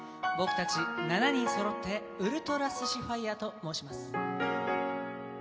僕たち、７人そろってウルトラ寿司ふぁいやーと申します。